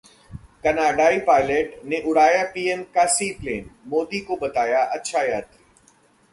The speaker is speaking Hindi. कनाडाई पायलट ने उड़ाया पीएम का सी-प्लेन, मोदी को बताया अच्छा यात्री